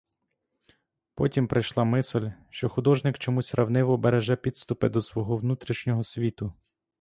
Потім прийшла мисль, що художник чомусь ревниво береже підступи до свого внутрішнього світу.